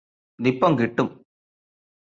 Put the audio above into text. ദിപ്പം കിട്ടും